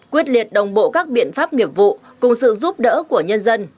quyết liệt đồng bộ các biện pháp nghiệp vụ cùng sự giúp đỡ của nhân dân